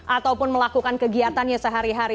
ataupun melakukan kegiatannya sehari hari